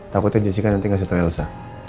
takutnya jessica nanti ngasih tau elsa